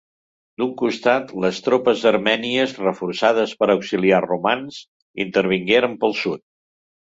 D'un costat, les tropes armènies, reforçades per auxiliars romans, intervingueren pel sud.